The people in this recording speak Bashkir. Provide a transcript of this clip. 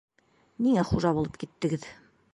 Ниңә хужа булып киттегеҙ?